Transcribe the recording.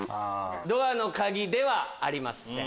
ドアのカギではありません。